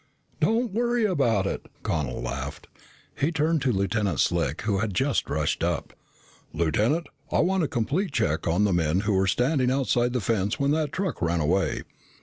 "Don't worry about it." Connel laughed. He turned to Lieutenant Slick who had just rushed up. "Lieutenant, I want a complete check on the men who were standing outside the fence when that truck ran away."